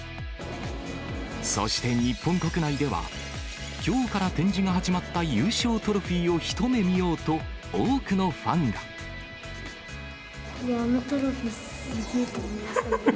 そして日本国内では、きょうから展示が始まった優勝トロフィーを一目見ようと、多くのあのトロフィー、すげぇと思いました。